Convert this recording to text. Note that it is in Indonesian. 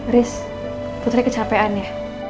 riz putri kecapean ya